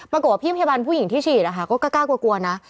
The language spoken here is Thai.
ปรากฏว่าพี่พยาบาลผู้หญิงที่ฉีดก็กล้ากลัวนะ